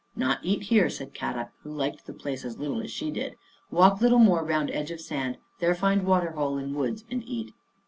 "" Not eat here," said Kadok, who liked the place as little as she did. " Walk little more round edge of sand, there find water hole in the woods and eat."